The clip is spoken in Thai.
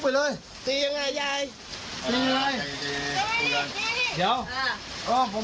พูดมากไปมาหาหมอก่อน